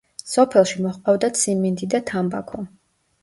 სოფელში მოჰყავდათ სიმინდი და თამბაქო.